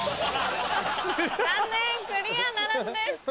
残念クリアならずです。